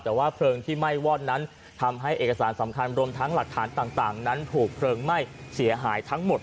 แต่ว่าเพลิงที่ไหม้วอดนั้นทำให้เอกสารสำคัญรวมทั้งหลักฐานต่างนั้นถูกเพลิงไหม้เสียหายทั้งหมด